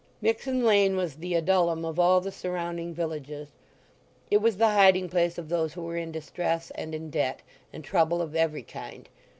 Mixen Lane was the Adullam of all the surrounding villages. It was the hiding place of those who were in distress, and in debt, and trouble of every kind.